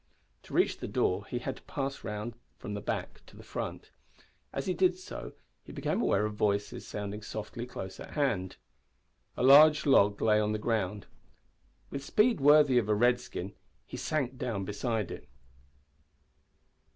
To reach the door he had to pass round from the back to the front. As he did so he became aware of voices sounding softly close at hand. A large log lay on the ground. With speed worthy of a redskin he sank down beside it.